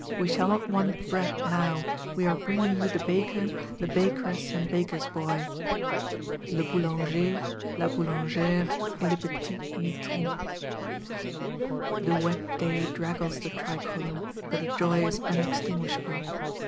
We shall not want bread now; we are bringing you the Baker, the Bakeress, and Baker's Boy (le Boulanger, la Boulangère, et le petit Mitron).' The wet day draggles the tricolor, but the joy is unextinguishable.